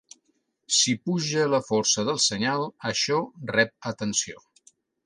Si puja la força del senyal, això rep atenció.